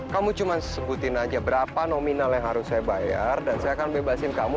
kamu cuma sebutin aja berapa nominal yang harus saya bayar dan saya akan bebasin kamu